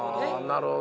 なるほど。